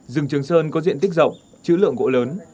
rừng trường sơn có diện tích rộng chữ lượng gỗ lớn